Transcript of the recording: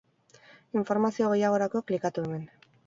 Informazio gehiagorako klikatu hemen.